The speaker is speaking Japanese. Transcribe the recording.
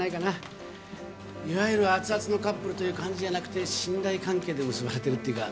いわゆるアツアツのカップルという感じじゃなくて信頼関係で結ばれてるっていうか。